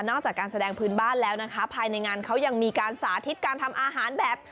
จากการแสดงพื้นบ้านแล้วนะคะภายในงานเขายังมีการสาธิตการทำอาหารแบบ